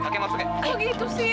kok gitu sih